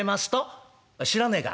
「知らねえか。